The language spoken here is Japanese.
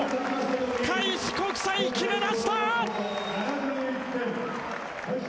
開志国際、決めました！